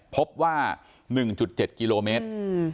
พบว่า๑๗กิโลเมตร